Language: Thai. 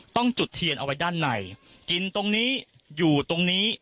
จุดเทียนเอาไว้ด้านในกินตรงนี้อยู่ตรงนี้